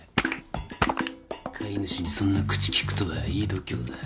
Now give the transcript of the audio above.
飼い主にそんな口利くとはいい度胸だ。